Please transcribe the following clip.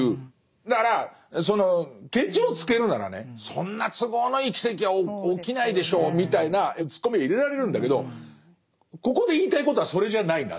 だからそのケチをつけるならねそんな都合のいい奇跡は起きないでしょうみたいなツッコミを入れられるんだけどここで言いたいことはそれじゃないなという。